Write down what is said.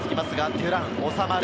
デュラン収まる。